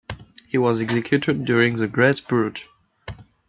He was executed during the Great Purge.